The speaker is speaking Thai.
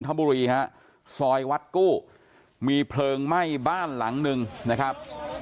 บุรีฮะซอยวัดกู้มีเพลิงไหม้บ้านหลังหนึ่งนะครับ